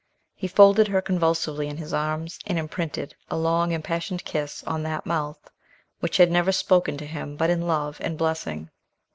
He folded her convulsively in his arms, and imprinted a long impassioned kiss on that mouth, which had never spoken to him but in love and blessing.